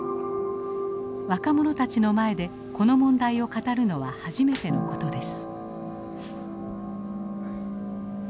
若者たちの前でこの問題を語るのは初めての事です。